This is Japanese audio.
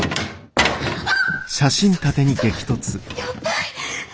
やばい！